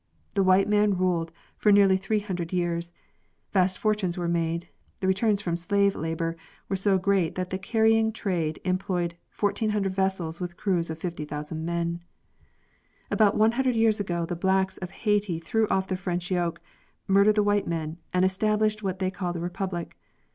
The white manruled for nearly three hundred years ; vast fortunes were made; the returns from slave labor were so great that the carrying trade employed 1,400 vessels with crews of 50,000 men. About one hundred years ago the blacks of Haiti threw off the French yoke, murdered the white men, and established what they called a republic.